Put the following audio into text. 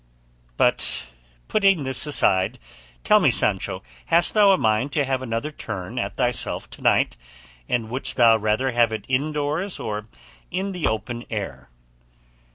But, putting this aside, tell me, Sancho, hast thou a mind to have another turn at thyself to night, and wouldst thou rather have it indoors or in the open air?"